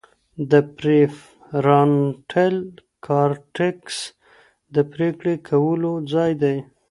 د پریفرانټل کارټېکس د پرېکړې کولو ځای دی.